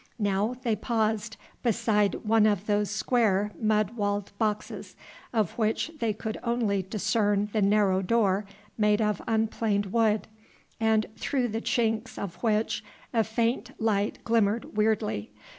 Now they paused beside one of those square mud walled boxes, of which they could only discern the narrow door made of unplaned wood, and through the chinks of which a faint light glimmered weirdly.